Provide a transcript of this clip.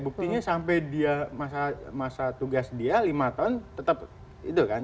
buktinya sampai dia masa tugas dia lima tahun tetap itu kan